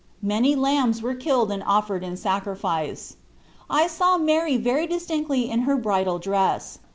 Many lambs were killed and offered in sacrifice. I saw Mary very distinctly in her bridal dress.